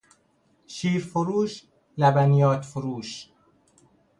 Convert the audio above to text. شیر فروش، لبنیات فروش